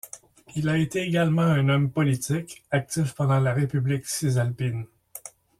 Il a été également un homme politique, actif pendant la République cisalpine.